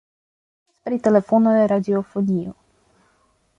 Temas pri telefona radiofonio.